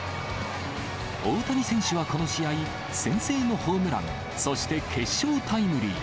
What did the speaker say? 大谷選手はこの試合、先制のホームラン、そして決勝タイムリー。